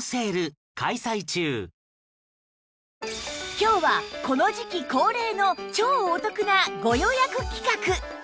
今日はこの時期恒例の超お得なご予約企画！